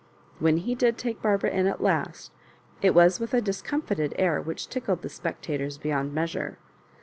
When he did take Barbara in at last, it was with a discomfited air which tickled the spectators beyond measure.